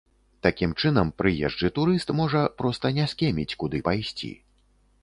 Такім чынам, прыезджы турыст, можа проста не скеміць, куды пайсці.